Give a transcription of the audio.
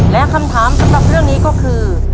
และคำถามสำหรับเรื่องนี้ก็คือ